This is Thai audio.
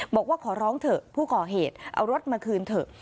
บอกว่าขอร้องเถอะผู้ก่อเหตุเอารถมาคืนเถอะ